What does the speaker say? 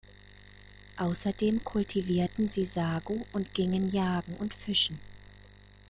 Außerdem kultivierten sie Sago und gingen Jagen und Fischen.